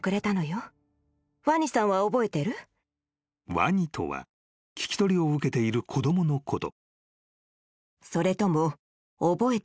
［ワニとは聞き取りを受けている子供のこと］